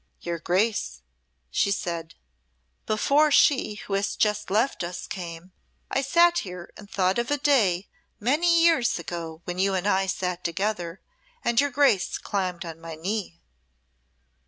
"Your Grace," she said, "before she, who has just left us, came, I sate here and thought of a day many a year ago when you and I sate together, and your Grace climbed on my knee."